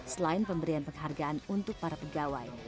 selain pemberian penghargaan untuk para pegawai